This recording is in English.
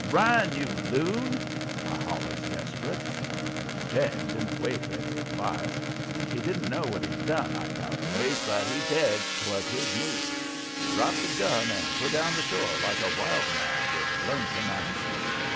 "Run, you loon!" I hollers, desperate. James didn't wait for any advice. He didn't know what he'd done, I cal'late, but he jedged 'twas his move. He dropped his gun and put down the shore like a wild man, with Lonesome after him.